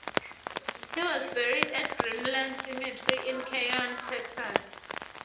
He was buried at Dreamland Cemetery in Canyon, Texas.